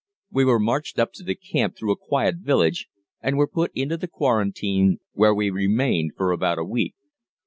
We were marched up to the camp through a quiet village, and were put into the quarantine, where we remained for about a week.